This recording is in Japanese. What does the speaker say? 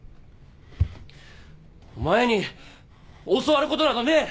お前に教わることなどねえ！